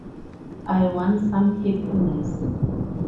I want some happiness.